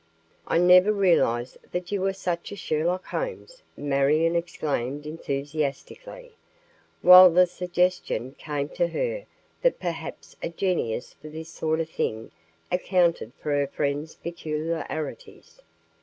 "I never realized that you were such a Sherlock Holmes," Marion exclaimed enthusiastically, while the suggestion came to her that perhaps a genius for this sort of thing accounted for her friend's peculiarities.